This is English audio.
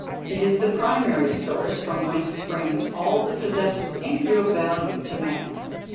It is the primary source from whence springs all that possesses any real value to man.